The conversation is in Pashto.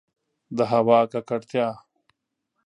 د هوا ککړتیا